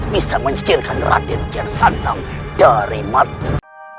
bisa mencikirkan radin kian santang dari matimu